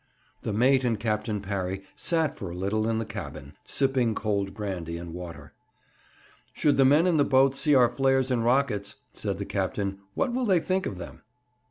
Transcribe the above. The mate and Captain Parry sat for a little in the cabin, sipping cold brandy and water. 'Should the men in the boat see our flares and rockets,' said the captain, 'what will they think of them?'